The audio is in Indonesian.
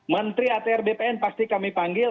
menteri atr bpn pasti kami panggil